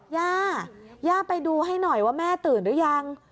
ย่าย่าไปดูให้หน่อยว่าแม่ตื่นหรือยัง